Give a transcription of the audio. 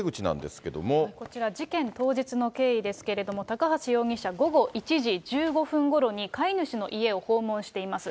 こちら、事件当日の経緯ですけれども、高橋容疑者、午後１時１５分ごろに、飼い主の家を訪問しています。